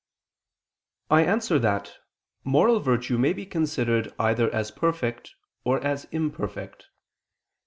I answer that, Moral virtue may be considered either as perfect or as imperfect.